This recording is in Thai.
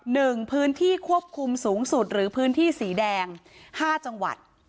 หนึ่งพื้นที่ควบคุมสูงสุดหรือพื้นที่สีแดงห้าจังหวัด